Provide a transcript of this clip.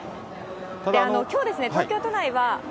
きょうですね、東京都内は。